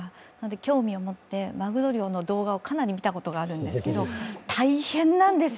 興味を持ってまぐろ漁の動画をかなり見たことがあるんですけど大変なんですよ。